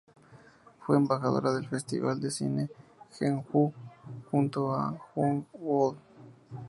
Fue embajadora del festival de cine de Jeonju junto con Jung Il Woo.